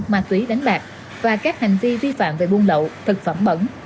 ma túy đánh bạc và các hành vi vi phạm về buôn lậu thực phẩm bẩn